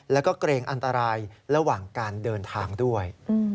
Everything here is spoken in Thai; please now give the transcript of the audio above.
แล้วก็เกรงอันตรายระหว่างการเดินทางด้วย